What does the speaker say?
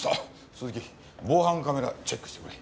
鈴木防犯カメラチェックしてくれ。